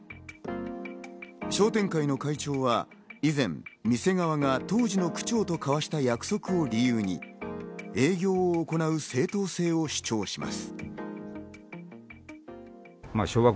商店会の会長は以前、店側が当時の区長と交わした約束を理由に営業を行う正当性を主張します。